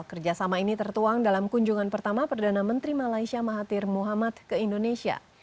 kerjasama ini tertuang dalam kunjungan pertama perdana menteri malaysia mahathir muhammad ke indonesia